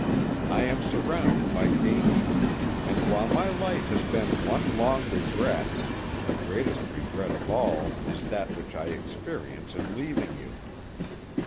I am surrounded by danger, and while my life has been one long regret, the greatest regret of all is that which I experience in leaving you.